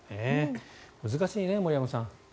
難しいね、森山さん。